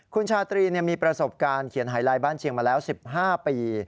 คุณชาตรีมีประสบการณ์เขียนหายลายบ้านเชียงมาแล้ว๑๕ปี